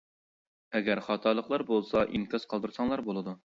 ئەگەر خاتالىقلار بولسا ئىنكاس قالدۇرساڭلار بولىدۇ.